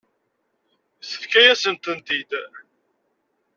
Tefka-yasen-tent-id.